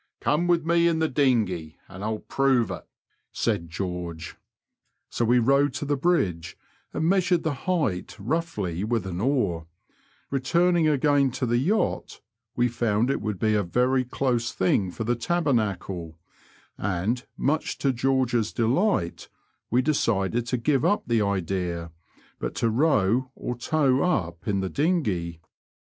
Come with me in the dinghey, and I'll prove it," said George, So we rowed to the bridge and measured the height roughly with an oar ; returning again to the yacht, we found it would be a very close thing for the tabernacle, and, much o George's delight, we decided to give up the idea, but to row or tow up in the dinghey.